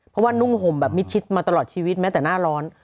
เพราะว่านุ่งห่มแบบมิดชิดมาตลอดชีวิตแม้แต่หน้าร้อน